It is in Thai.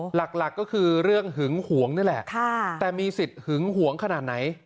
หลักก็คือเรื่องหึงหวงนี่แหละแต่มีสิทธิ์หึงหวงขนาดไหน